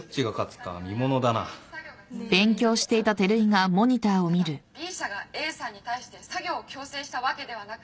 ただＢ社がＡさんに対して作業を強制したわけではなく。